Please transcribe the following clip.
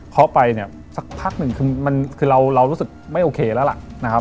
เค้าไปอีกสักพักหนึ่งคือรู้สึกไม่โอเคแล้ว